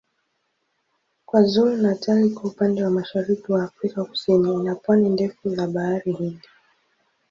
KwaZulu-Natal iko upande wa mashariki wa Afrika Kusini ina pwani ndefu la Bahari Hindi.